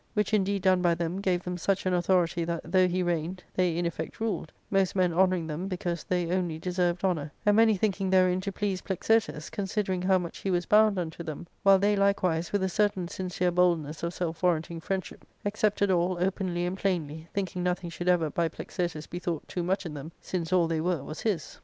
Which indeed done by them, gave them such an authority that, though he reigned, they in effect ruled, most men honouring them because they only deserved honour ; and many thinking therein to please Plexirtus, considering how much he was bound unto them, while they likewise, with a certain sincere boldness of self warranting friendship, ac cepted all openly and plainly, thinking nothing should ever by Plexirtus be thought too much in them, since all they were was his.